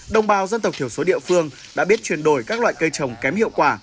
đồng bào dân tộc thiểu số địa phương đã biết chuyển đổi các loại cây trồng kém hiệu quả